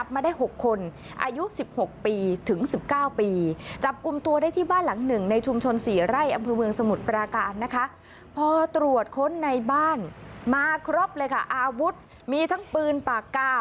มาครบเลยค่ะอาวุธมีทั้งปืนปากกา